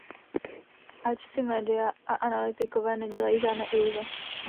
Ať si média a analytikové nedělají žádné iluze.